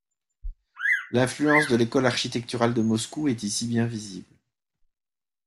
L'influence de l'école architecturale de Moscou est ici bien visible.